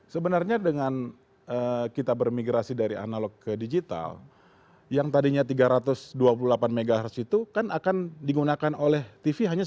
sebenarnya dengan kita bermigrasi dari analog ke digital yang tadinya tiga ratus dua puluh delapan mhz itu kan akan digunakan oleh tv hanya satu ratus empat puluh empat mhz